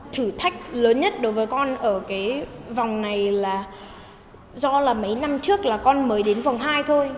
thử thách lớn nhất đối với con ở cái vòng này là do là mấy năm trước là con mới đến vòng hai thôi